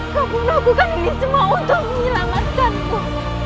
kau menegurkan ini semua untuk menyelamatkanmu